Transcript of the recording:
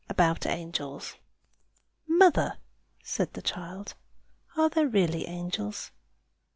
ABOUT ANGELS "Mother," said the child; "are there really angels?"